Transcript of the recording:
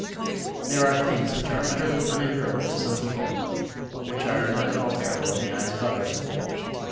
There are things which are utterly unendurable to some people, but which are not at all terrible in the eyes of others.